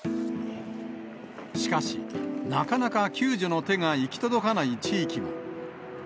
しかし、なかなか救助の手が行き届かない地域も。